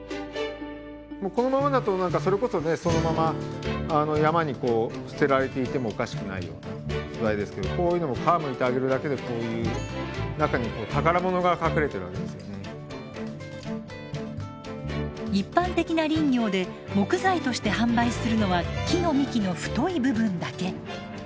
もうこのままだと何かそれこそねそのまま山に捨てられていてもおかしくないような素材ですけどこういうのも一般的な林業で木材として販売するのは木の幹の太い部分だけ。